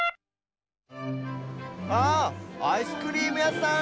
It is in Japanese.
ああアイスクリームやさん。